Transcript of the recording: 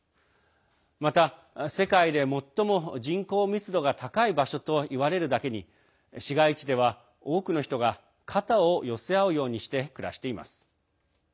また、世界で最も人口密度が高い場所といわれるだけに市街地では多くの人が肩を寄せ合うようにして暮らしています。